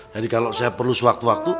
jadi kalau saya perlu suatu waktu